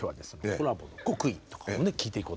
コラボの極意とかを聞いていこうと思ってます。